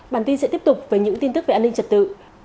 bản tin sẽ tiếp tục với những tin tức về an ninh trật tự